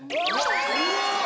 うわ！